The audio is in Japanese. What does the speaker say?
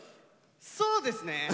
そうですね。